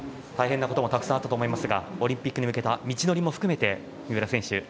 大変なこともたくさんあったと思いますがオリンピックに向けた道のりも含めて三浦選手